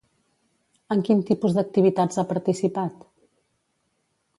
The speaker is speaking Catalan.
En quin tipus d'activitats ha participat?